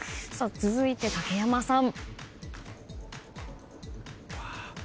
続いて竹山さん。